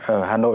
ở hà nội